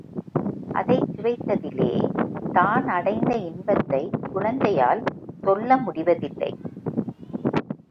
அதைச் சுவைத்ததிலே தான் அடைந்த இன்பத்தைக் குழந்தையால் சொல்ல முடிவதில்லை.